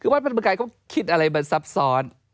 คือวัดพระธรรมกายเขาคิดอะไรมันซับซ้อน